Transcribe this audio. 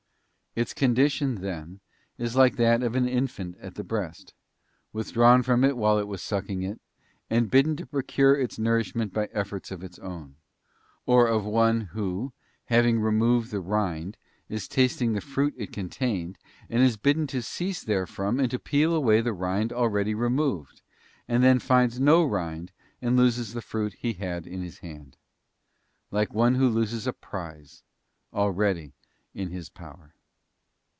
Its condition, then, is like that of an infant at the breast, withdrawn from it while it was sucking it, and bidden to procure its nourish ment by efforts of its own ; or of one who, having removed the rind, is tasting the fruit it contained, and is bidden to cease therefrom and to peel away the rind already removed, and then finds no rind and loses the fruit he had in his hand —like one who loses a prize already in his power.